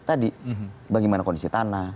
tadi bagaimana kondisi tanah